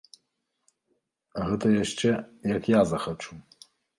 Гэта яшчэ, як я захачу!